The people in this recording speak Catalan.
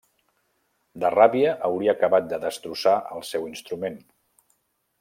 De ràbia, hauria acabat de destrossar el seu instrument.